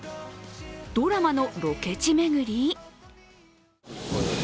ドラマのロケ地巡り？